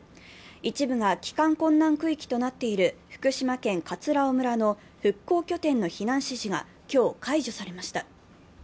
一部が帰還困難区域となっている福島県葛尾村の復興拠点の避難指示が今日解除されました。